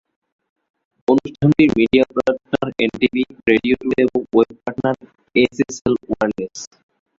অনুষ্ঠানটির media partner NTV, Radio Today এবং web partner SSL wireless.